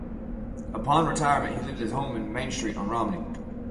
Upon retirement, he lived at his home on Main Street in Romney.